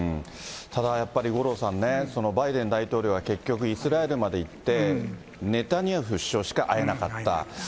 ただやっぱり、五郎さんね、バイデン大統領は結局、イスラエルまで行って、ネタニヤフ首相しか会えなかった。